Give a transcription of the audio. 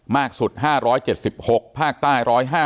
มากสุด๕๗๖ภาคใต้๑๕